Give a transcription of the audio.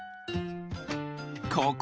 ここ。